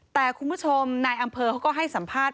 แต่คุณผู้ชมนายอำเภอเขาก็ให้สัมภาษณ